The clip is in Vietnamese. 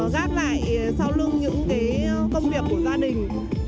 gác lại sau lưng những công việc của gia đình